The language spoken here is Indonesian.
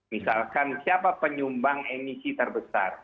misalkan siapa penyumbang emisi terbesar